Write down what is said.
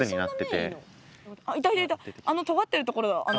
あのとがってるところだ穴。